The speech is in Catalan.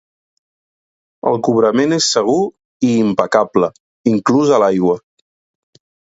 El cobrament és segur i impecable, inclús a l'aigua.